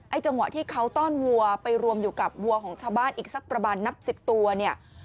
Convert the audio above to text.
จังหวะที่เขาต้อนวัวไปรวมอยู่กับวัวของชาวบ้านอีกสักประมาณนับสิบตัวเนี่ย